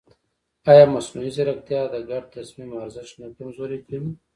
ایا مصنوعي ځیرکتیا د ګډ تصمیم ارزښت نه کمزوری کوي؟